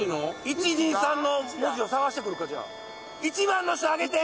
「１２３の文字」を探してくるかじゃ１番の人あげて！